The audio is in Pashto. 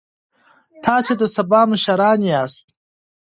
تاسو د سبا مشران یاست.